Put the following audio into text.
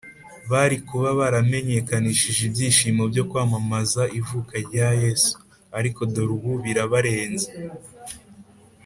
, bari kuba baramenyekanishije ibyishimo byo kwamamaza ivuka rya Yesu. Ariko dore ubu birabarenze